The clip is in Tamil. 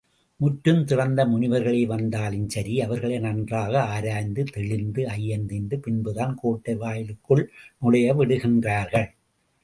முற்றத்துறந்த முனிவர்களே வந்தாலும் சரி, அவர்களை நன்றாக ஆராய்ந்து தெளிந்து ஐயந்தீர்ந்த பின்புதான் கோட்டை வாயிலுக்குள் நுழைய விடுகின்றார்கள்.